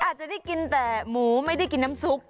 อาจจะได้กินแต่หมูไม่ได้กินน้ำซุป